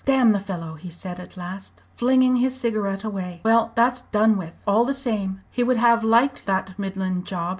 "Damn the fellow!" he said at last, flinging his cigarette away. "Well, that's done with. All the same, he would have liked that Midland job!